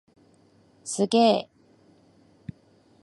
すっげー！